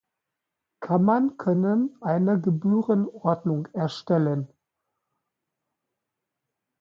Kammern können eine Gebührenordnung erstellen.